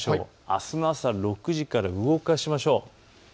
あすの朝６時から動かしましょう。